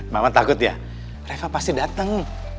mama takut ya mereka pasti datang